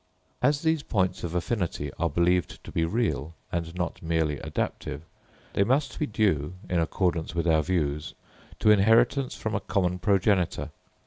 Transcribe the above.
As these points of affinity are believed to be real and not merely adaptive, they must be due in accordance with our view to inheritance from a common progenitor.